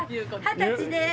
二十歳でーす！